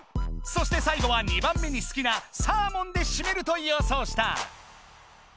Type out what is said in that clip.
そして最後は２番目に好きなサーモンでしめるとよそうした。